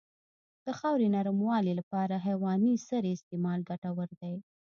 د خاورې نرموالې لپاره د حیواني سرې استعمال ګټور دی.